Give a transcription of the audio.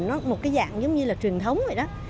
nó một cái dạng giống như là truyền thống vậy đó